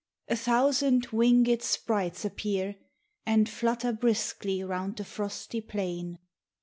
a thousand winged sprites appear And flutter briskly round the frosty plain.